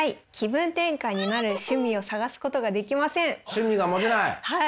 趣味が持てない？